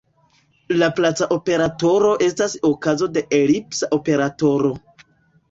Laplaca operatoro estas okazo de elipsa operatoro.